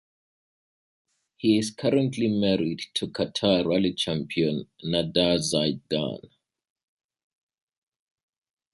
He is currently married to Qatar rally champion Nada Zeidan.